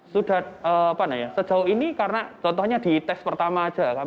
sudah apa namanya sejauh ini karena contohnya di tes pertama aja